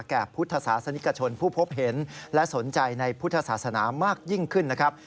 พุทธศาสนิกชนผู้พบเห็นและสนใจในพุทธศาสนามากยิ่งขึ้นนะครับ